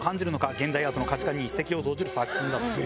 現代アートの価値観に一石を投じる作品だと。